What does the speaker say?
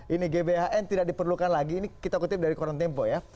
ini gbhn tidak diperlukan lagi ini kita kutip dari koran tempo ya